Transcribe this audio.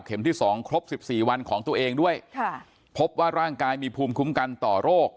ที่สองครบสิบสี่วันของตัวเองด้วยค่ะพบว่าร่างกายมีภูมิคุ้มกันต่อโรค